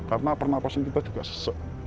karena pernafasan kita juga sesek